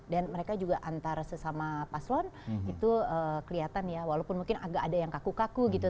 mereka juga antar sesama paslon itu kelihatan ya walaupun mungkin agak ada yang kaku kaku gitu